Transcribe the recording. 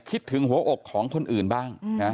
คิดถึงหัวอกของคนอื่นบ้างนะ